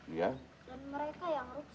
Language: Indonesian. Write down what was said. iya dan mereka yang rusak kau kirim betul